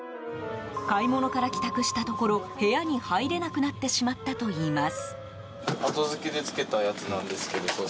買い物から帰宅したところ部屋に入れなくなってしまったといいます。